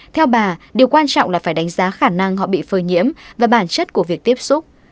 theo bà điều quan trọng là phải đánh giá khả năng họ bị phơi nhiễm và bản chất của việc tiếp xúc